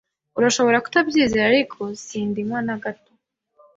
Urashobora kutabyizera, ariko sindinywa na gato.